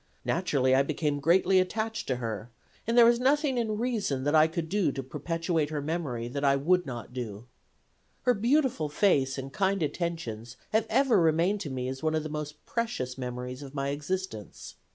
Naturally I became greatly attached to her, and there is nothing in reason that I could do to perpetuate her memory that I would not do. Her beautiful face and kind attentions have ever remained to me as one of the most precious memories of my existence.